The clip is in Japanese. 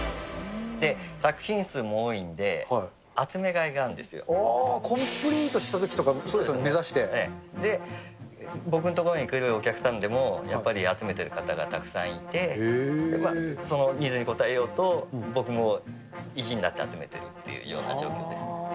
作品数も多いんで、集めがいコンプリートしたときとか目で、僕の所に来るお客さんでも、やっぱり集めてる方がたくさんいて、そのニーズに応えようと、僕も意地になって集めているというような状況です。